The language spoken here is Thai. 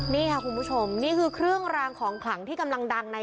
นี่ค่ะคุณผู้ชมนี่คือเครื่องรางของขลังที่กำลังดังใน